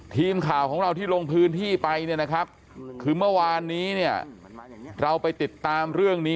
ทีมข่าวของเราที่ลงพื้นที่ไปเนี่ยนะครับคือเมื่อวานนี้เนี่ยเราไปติดตามเรื่องนี้